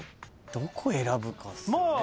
どこ選ぶかっすよね。